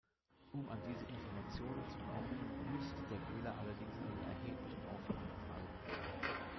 Um an diese Informationen zu kommen, müsste der Wähler allerdings einen erheblichen Aufwand betreiben.